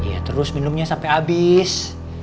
iya terus minumnya sampai habis